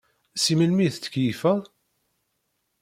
Si melmi i tettkeyyifeḍ?